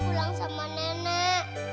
ibu mau pulang sama nenek